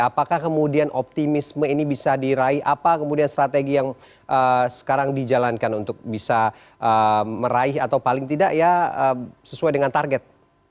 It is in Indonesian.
apakah kemudian optimisme ini bisa diraih apa kemudian strategi yang sekarang dijalankan untuk bisa meraih atau paling tidak ya sesuai dengan target